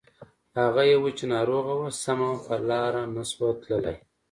هغه يوه چې ناروغه وه سمه په لاره نه شوه تللای.